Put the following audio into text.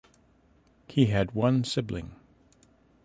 He had one sibling.